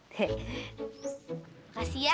terima kasih ya